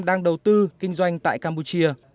đang đầu tư kinh doanh tại campuchia